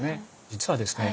実はですね